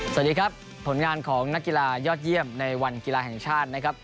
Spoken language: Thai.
สวัสดีครับผลงานของนักกีฬายอดเยี่ยมในวันกีฬาแห่งชาตินะครับ